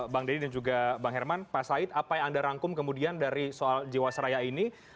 bang deddy dan juga bang herman pak said apa yang anda rangkum kemudian dari soal jiwasraya ini